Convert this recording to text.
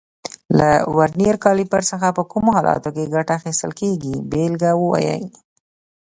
له ورنیز کالیپر څخه په کومو حالاتو کې ګټه اخیستل کېږي بېلګه ووایئ.